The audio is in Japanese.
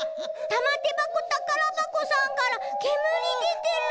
てばこたからばこさんからけむりでてる。